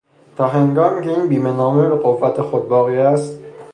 تاهنگامی که این بیمهنامه به قوت خود باقی است